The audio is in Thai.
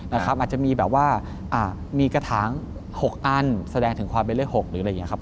อาจจะมีแบบว่ามีกระถาง๖อันแสดงถึงความเป็นเลข๖หรืออะไรอย่างนี้ครับ